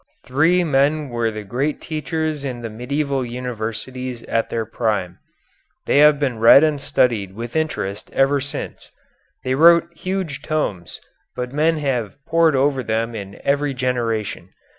Three men were the great teachers in the medieval universities at their prime. They have been read and studied with interest ever since. They wrote huge tomes, but men have pored over them in every generation.